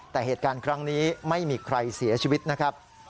แต่เหตุการณ์ครั้งนี้ไม่มีใครเสียชีวิตนะครับ